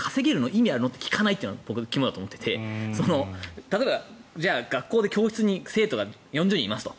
意味あるの？って聞かないというのが肝だと思っていて例えば学校に生徒が４０人いますと。